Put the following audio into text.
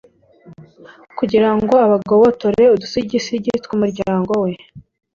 kugira ngo agobotore udusigisigi tw’umuryango we,